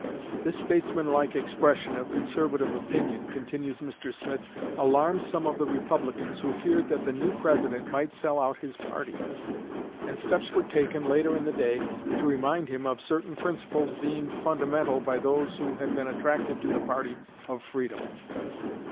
"This statesmanlike expression of conservative opinion," continues Mr. Smith, "alarmed some of the Republicans, who feared that the new President might sell out his party; and steps were taken, later in the day, to remind him of certain principles deemed fundamental by those who had been attracted to the party of Freedom.